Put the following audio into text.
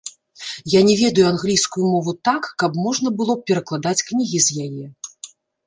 Я не ведаю англійскую мову так, каб можна было б перакладаць кнігі з яе.